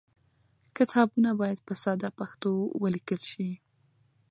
کتابونه باید په ساده پښتو ولیکل شي.